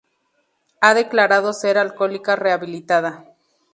Ha declarado ser alcohólica rehabilitada.